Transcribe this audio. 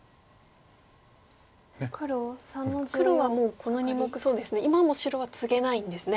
黒はもうこの２目今も白はツゲないんですね。